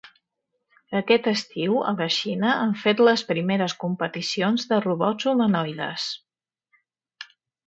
Aquest estiu a la Xina han fet les primeres competicions de robots humanoides.